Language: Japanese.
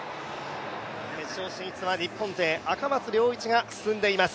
決勝進出は日本勢、赤松諒一が進んでいます。